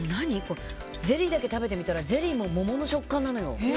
ゼリーだけ食べてみたらゼリーも桃の食感なのよ。